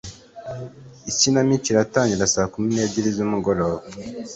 Ikinamico iratangira saa kumi n'ebyiri z'umugoroba.